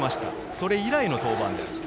それ以来の登板です。